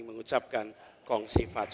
mengucapkan kongsi facai